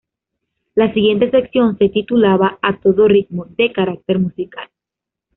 La siguiente sección se titulaba "A todo ritmo", de carácter musical.